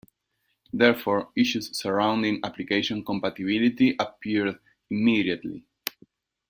Therefore, issues surrounding application compatibility appeared immediately.